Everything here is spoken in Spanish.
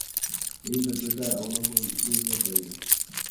Ella interpreta a una joven muy retraída.